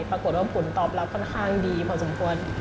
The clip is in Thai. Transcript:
ปรากฏว่าผลตอบรับค่อนข้างดีพอสมควร